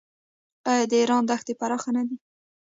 آیا د ایران دښتې پراخې نه دي؟